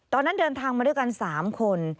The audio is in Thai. ตอนนั้นเดินทางมาด้วยกัน๓คน